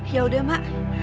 ya udah mak